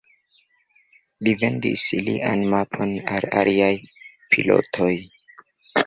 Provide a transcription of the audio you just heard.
Li vendis lian mapon al aliaj pilotoj.